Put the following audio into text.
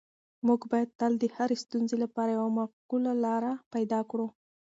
موږ باید تل د هرې ستونزې لپاره یوه معقوله لاره پیدا کړو.